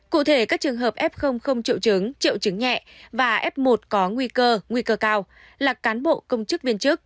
cụ thể các trường hợp f không triệu chứng triệu chứng nhẹ và f một có nguy cơ nguy cơ cao là cán bộ công chức viên chức